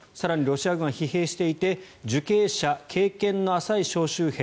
ロシア軍は疲弊していて受刑者、経験の浅い招集兵